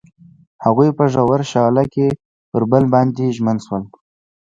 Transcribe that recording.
هغوی په ژور شعله کې پر بل باندې ژمن شول.